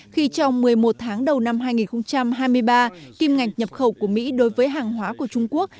khi trong một mươi một tháng đầu năm hai nghìn hai mươi ba kim ngạch nhập khẩu của mỹ đối với hàng hóa của trung quốc